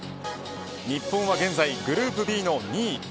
日本は現在グループＢの２位。